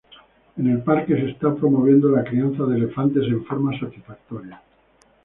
En el parque se está promoviendo la crianza de elefantes en forma satisfactoria.